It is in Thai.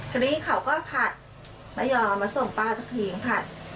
ทีนี้เขาก็ผัดแล้วยอมมาส่งป้าสักครีมผัด